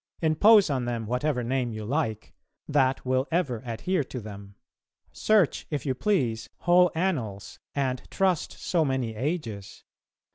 Impose on them whatever name you like; that will ever adhere to them. Search, if you please, whole annals, and trust so many ages.